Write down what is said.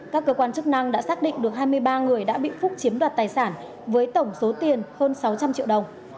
các cơ quan chức năng đã xác định được hai mươi ba người đã bị phúc chiếm đoạt tài sản với tổng số tiền hơn sáu trăm linh triệu đồng